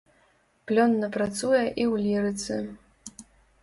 Плённа працуе і ў лірыцы.